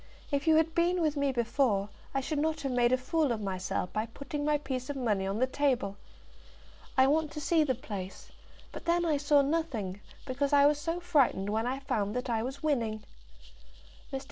If you had been with me before, I should not have made a fool of myself by putting my piece of money on the table. I want to see the place; but then I saw nothing, because I was so frightened when I found that I was winning." Mr.